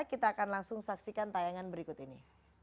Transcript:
kita akan langsung saksikan tayangan berikut ini